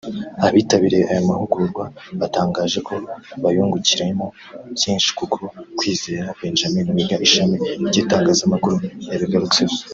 Abitabiriye aya mahugurwa batangaje ko bayungukiyemo byinshi nk’uko Kwizera Benjamin wiga ishami ry’itangazamakuru yabigarutseho